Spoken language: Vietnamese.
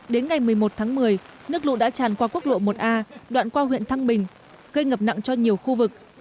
đến ngày một mươi một tháng một mươi nước lũ đã tràn qua quốc lộ một a đoạn qua huyện thăng bình gây ngập nặng cho nhiều khu vực